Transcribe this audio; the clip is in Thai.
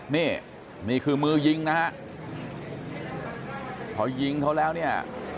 นี่คือมือยิงนะฮะเพราะยิงเท่าแล้วเนี่ย